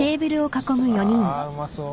あうまそう。